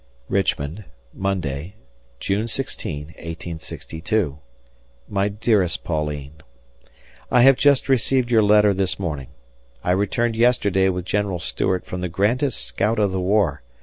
Richmond, Monday, June 16, 1862. My dearest Pauline: I have just received your letter this morning. I returned yesterday with General Stuart from the grandest scout of the war.